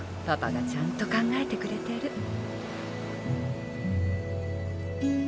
パパがちゃんと考えてくれてる。